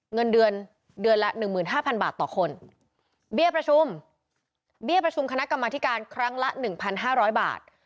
เงินเดือนเดือนละหนึ่งหมื่นห้าพันบาทต่อคนเบี้ยประชุมเบี้ยประชุมคณะกรรมาธิการครั้งละหนึ่งพันห้าร้อยบาท